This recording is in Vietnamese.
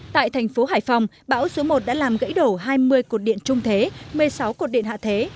tại thành phố hải phòng bão số một đã làm gãy đổ hai mươi cột điện trung thế một mươi sáu cột điện hạ thế